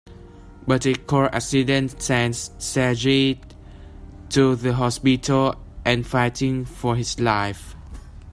But a car accident sends Seiji to the hospital and fighting for his life.